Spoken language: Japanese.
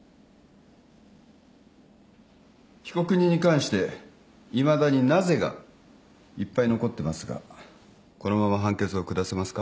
被告人に関していまだに「なぜ」がいっぱい残ってますがこのまま判決を下せますか。